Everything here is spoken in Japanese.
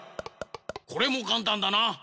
これもかんたんだな！